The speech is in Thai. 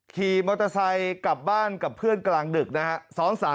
ขี่มอเตอร์ไซค์กลับบ้านกับเพื่อนกลางดึกนะฮะ